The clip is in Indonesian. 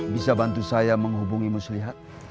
bisa bantu saya menghubungi muslihat